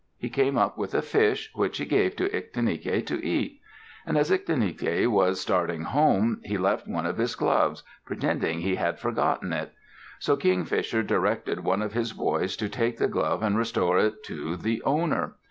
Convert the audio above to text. He came up with a fish, which he gave to Ictinike to eat. And as Ictinike was starting home, he left one of his gloves, pretending he had forgotten it. So Kingfisher directed one of his boys to take the glove and restore it to the owner.